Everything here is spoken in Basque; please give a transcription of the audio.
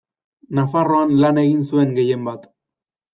Nafarroan lan egin zuen gehienbat.